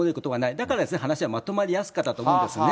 だから話はまとまりやすかったと思うんですね。